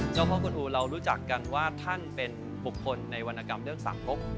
พ่อคุณอูเรารู้จักกันว่าท่านเป็นบุคคลในวรรณกรรมเรื่องสามพก